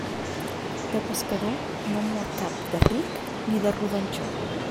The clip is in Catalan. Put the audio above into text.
De pescador, no en mor cap de ric ni de rodanxó.